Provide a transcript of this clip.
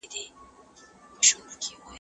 ټولنیز علوم قوانین لري.